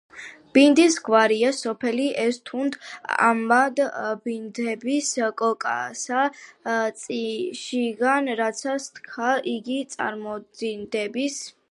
ბინდის გვარია სოფელი, ესე თუნდ ამად ბინდდების, კოკასა შიგან რაცა სდგას, იგივე წარმოდინდების!